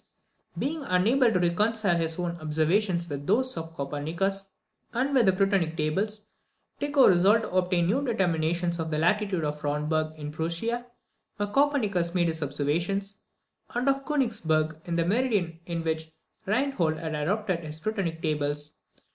Being unable to reconcile his own observations with those of Copernicus, and with the Prutenic Tables, Tycho resolved to obtain new determinations of the latitude of Frauenburg, in Prussia, where Copernicus made his observations, and of Konigsberg, to the meridian of which Rheinhold had adapted his Prutenic Tables.